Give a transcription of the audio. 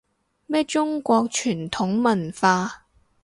咩中國傳統文化